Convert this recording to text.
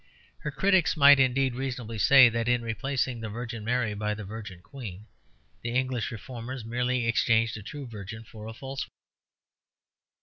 Her critics might indeed reasonably say that in replacing the Virgin Mary by the Virgin Queen, the English reformers merely exchanged a true virgin for a false one.